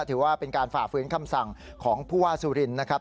ถือว่าเป็นการฝ่าฝืนคำสั่งของผู้ว่าสุรินทร์นะครับ